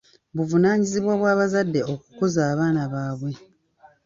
Buvunaanyizibwa bwa bazadde okukuza abaana baabwe.